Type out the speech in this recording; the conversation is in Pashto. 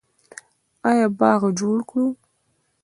آیا باغ جوړ کړو؟